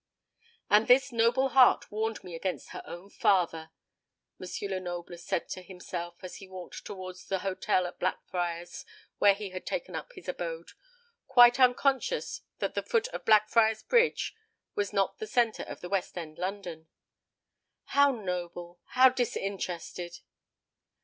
"And this noble heart warned me against her own father!" M. Lenoble said to himself, as he walked towards the hotel at Blackfriars where he had taken up his abode, quite unconscious that the foot of Blackfriars Bridge was not the centre of West End London. "How noble, how disinterested!